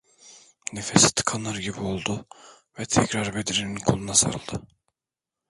Nefesi tıkanır gibi oldu ve tekrar Bedri’nin koluna sarıldı.